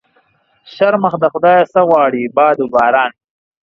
شرمښ د خدا يه څه غواړي ؟ باد و باران.